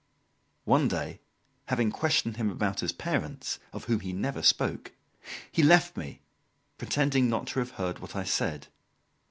One day, having questioned him about his parents, of whom he never spoke, he left me, pretending not to have heard what I said.